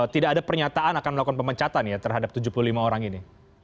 tidak ada pernyataan akan melakukan pemecatan ya terhadap tujuh puluh lima orang ini